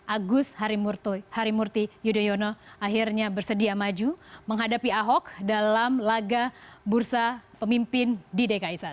agus harimurti yudhoyono akhirnya bersedia maju menghadapi ahok dalam laga bursa pemimpin di dki satu